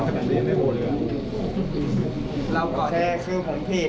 แล้วก็แค่คือผมผิด